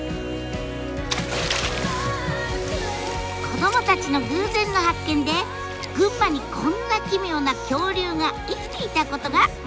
子どもたちの偶然の発見で群馬にこんな奇妙な恐竜が生きていたことが分かったんです。